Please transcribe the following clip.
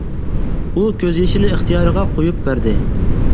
ئۇ كۆز يېشىنى ئىختىيارىغا قويۇپ بەردى.